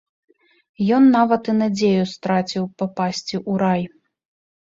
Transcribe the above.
Ён нават і надзею страціў папасці ў рай.